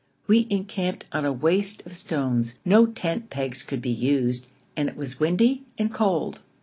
We encamped on a waste of stones; no tent pegs could be used, and it was windy and cold.